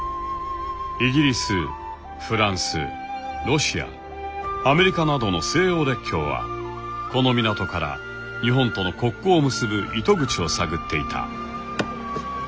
イギリスフランスロシアアメリカなどの西欧列強はこの港から日本との国交を結ぶ糸口を探っていた。